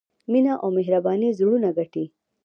مینه او مهرباني زړونه ګټي.